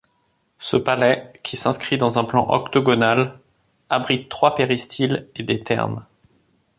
Ce palais, qui s'inscrit dans un plan octogonal, abrite trois péristyles et des thermes.